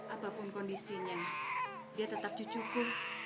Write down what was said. apapun kondisinya dia tetap cucuku